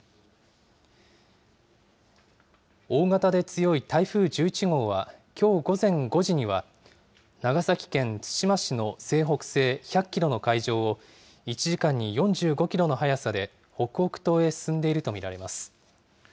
大型で強い台風１１号は、きょう午前５時には、長崎県対馬市の西北西１００キロの海上を、１時間に４５キロの速さで北北東へ進んでいると見られます。